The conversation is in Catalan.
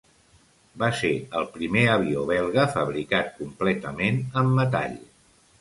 Va ser el primer avió belga fabricat completament amb metall.